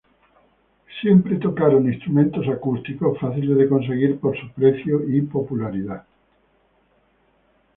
Siempre tocaron instrumentos acústicos fáciles de conseguir por su precio y popularidad.